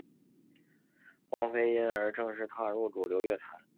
黄妃因而正式踏入主流乐坛。